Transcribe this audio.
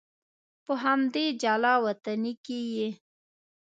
په همدې جلا وطنۍ کې یې.